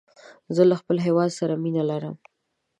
زه له خپل هېواد سره مینه لرم.